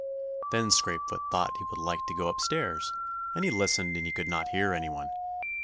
Then Scrapefoot thought he would like to go up stairs; and he listened and he could not hear any one.